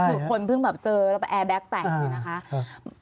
แล้วคือคนเพิ่งแบบเจอแล้วแอร์แบล็กแต่งอยู่นะคะ